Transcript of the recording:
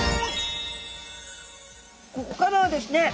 ここからはですね